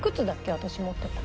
私持ってたの。